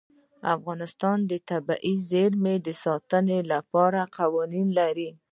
افغانستان د طبیعي زیرمې د ساتنې لپاره قوانین لري.